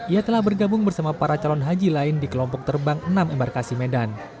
ia telah bergabung bersama para calon haji lain di kelompok terbang enam embarkasi medan